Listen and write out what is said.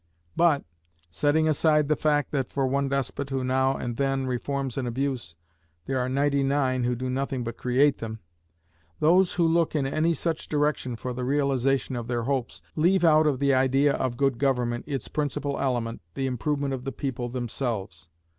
But (setting aside the fact that for one despot who now and then reforms an abuse, there are ninety nine who do nothing but create them) those who look in any such direction for the realization of their hopes leave out of the idea of good government its principal element, the improvement of the people themselves.